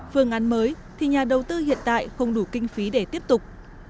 phương án mới thì nhà đầu tư hiện tại không đủ kinh phí để tiếp tục